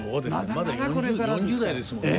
まだ４０代ですもんね。